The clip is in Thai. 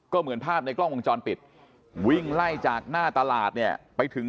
ก็เหมือนภาพในกล้องวงจรปิดวิ่งไล่จากหน้าตลาดเนี่ยไปถึง